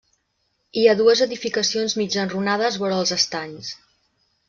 Hi ha dues edificacions mig enrunades vora els estanys.